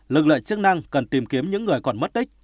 lực lượng chức năng cần tìm kiếm những người còn mất tích